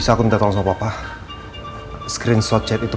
aku harus simpan bukti itu